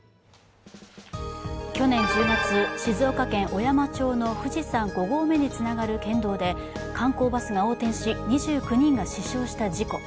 去年１０月、静岡県小山町の富士山５合目につながる県道で観光バスが横転し、２９人が死傷した事故。